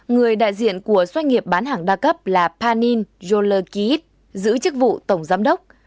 người đại diện của doanh nghiệp bán hàng đa cấp là panin jolokit giữ chức vụ tổng giám đốc